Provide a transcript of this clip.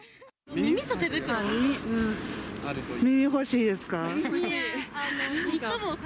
耳欲しいですか？